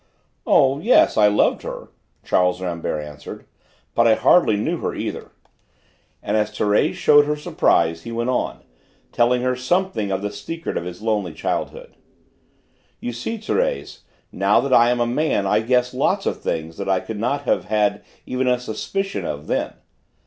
"Oh, yes, I loved her," Charles Rambert answered; "but I hardly knew her either." And as Thérèse showed her surprise he went on, telling her something of the secret of his lonely childhood. "You see, Thérèse, now that I am a man I guess lots of things that I could not have had even a suspicion of then.